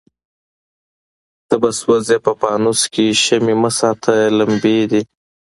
ته به سوځې په پانوس کي شمعي مه ساته لمبې دي